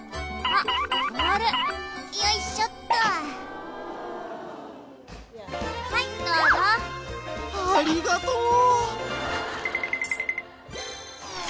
ありがとう！